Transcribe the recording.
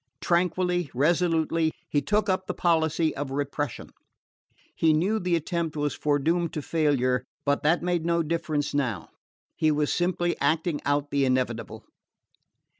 Tranquilly, resolutely, he took up the policy of repression. He knew the attempt was foredoomed to failure, but that made no difference now: he was simply acting out the inevitable.